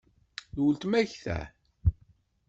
D uletma-k ta?